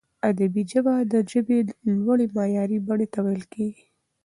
ادبي ژبه د ژبي لوړي معیاري بڼي ته ویل کیږي.